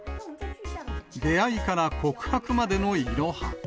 出会いから告白までのイロハ。